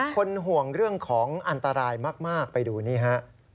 คนห่วงเรื่องของอันตรายมากไปดูนี่ฮะ